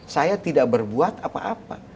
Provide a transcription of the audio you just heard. saya tidak berbuat apa apa